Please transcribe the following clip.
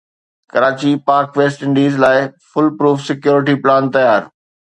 Karachi Pak West Indies series لاءِ foolproof security plan تيار